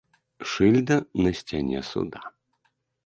Шыльда на сцяне суда.